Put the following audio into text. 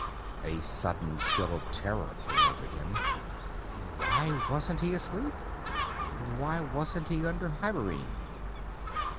A sudden chill of terror came over him. Why wasn't he asleep? Why wasn't he under hibernene?